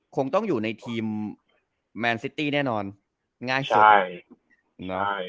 คงต้องอยู่ในทีมแมนซิตี้แน่นอนง่ายสุด